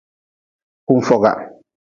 Kunfoga.